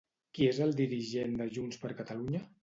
Qui és el dirigent de JXCat?